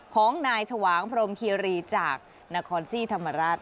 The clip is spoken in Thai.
ของนายถวางพรมเคียรีจากนาคอนซี่ธรรมรัฐ